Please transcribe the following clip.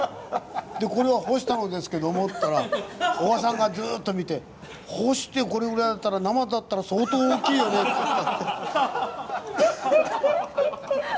「これは干したのですけども」って言ったらおばさんがずっと見て「干してこれぐらいだったら生だったら相当大きいよね」だって。